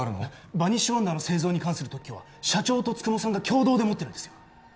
バニッシュワンダーの製造に関する特許は社長と九十九さんが共同で持ってるんですよ